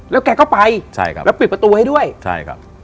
แล้วแกก็ไปใช่ครับแล้วปิดประตูให้ด้วยใช่ครับ